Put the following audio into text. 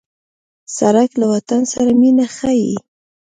سړک له وطن سره مینه ښيي.